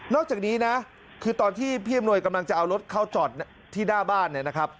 นอกจากนี้คือตอนที่พี่อำนวยกำลังจะเอารถเข้าจอดที่หน้าบ้าน